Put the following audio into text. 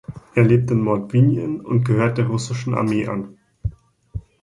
Er lebt in Mordwinien und gehört der russischen Armee an.